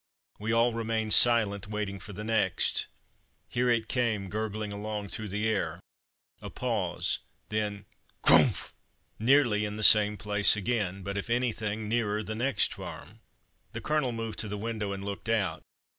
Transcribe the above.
We all remained silent, waiting for the next. Here it came, gurgling along through the air; a pause, then "Crumph!" nearly in the same place again, but, if anything, nearer the next farm. The Colonel moved to the window and looked out.